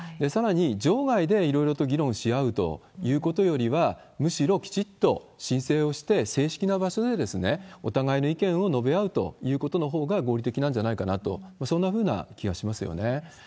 さらに場外でいろいろと議論し合うということよりは、むしろきちっと申請をして、正式な場所でお互いの意見を述べ合うということのほうが合理的なんじゃないかなと、そんなふうな気はしますよね。